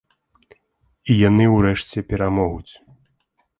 І яны ўрэшце перамогуць.